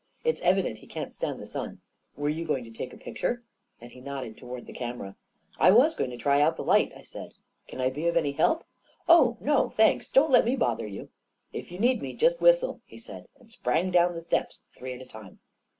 It's evident he can't stand the sun. Were you going to take a picture ?" and he nodded toward the camera. " I was going to try out the light," I said. " Can I be of any help?" " Oh, no, thanks. Don't let me bother you." "If you need me, just whistle," he said, and sprang down the steps three at a time.